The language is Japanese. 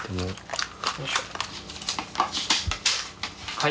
はい。